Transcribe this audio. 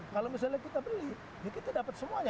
kalau misalnya kita beli ya kita dapat semuanya